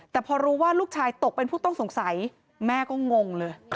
แต่พอรู้ว่าลูกชายตกเป็นผู้ต้องสงสัยแม่ก็งงเลย